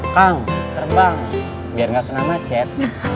kang terbang biar nggak kena macet